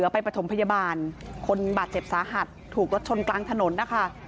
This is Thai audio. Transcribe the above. ไปประถมพยาบาลคนบาดเจ็บสาหัสถูกรถชนกลางถนนนะคะ